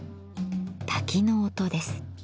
滝の音です。